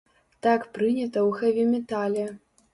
Так прынята ў хэві-метале!